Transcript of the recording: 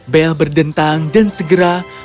bel berdentang dan segera mereka semua menangkapnya